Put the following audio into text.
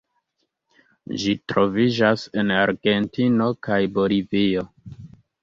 Ĝi troviĝas en Argentino kaj Bolivio.